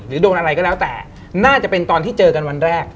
โดนอะไรก็แล้วแต่น่าจะเป็นตอนที่เจอกันวันแรก